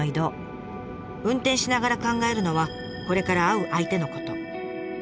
運転しながら考えるのはこれから会う相手のこと。